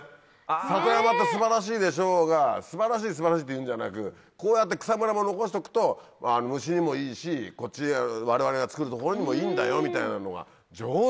「里山って素晴らしいでしょう」が素晴らしい素晴らしいって言うんじゃなくこうやって草むらも残しとくと虫にもいいしこっちが我々が作るところにもいいんだよみたいなのが上手。